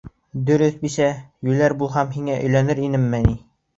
— Дөрөҫ, бисә, йүләр булмаһам, һиңә өйләнер инемме ни?!